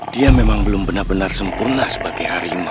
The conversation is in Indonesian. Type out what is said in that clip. dia memang belum benar benar sempurna sebagai harimau